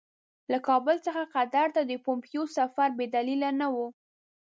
له کابل څخه قطر ته د پومپیو سفر بې دلیله نه وو.